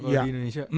kalau di indonesia